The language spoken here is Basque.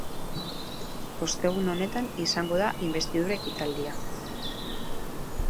Ostegun honetan izango da inbestidura ekitaldia.